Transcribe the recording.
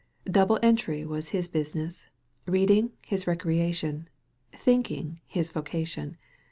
Double entry was his business; read ing, his recreation; thinking, his vocation.